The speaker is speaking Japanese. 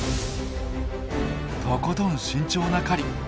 とことん慎重な狩り。